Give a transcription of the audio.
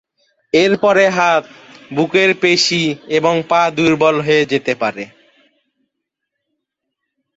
এরপরে হাত, বুকের পেশী এবং পা দুর্বল হয়ে যেতে পারে।